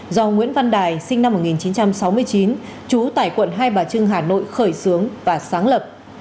do nguyễn văn đài sinh năm một nghìn chín trăm sáu mươi chín trú tại quận hai bà trưng hà nội khởi xướng và sáng lập